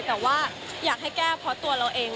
แต่ว่าอยากให้แก้เพราะตัวเราเอง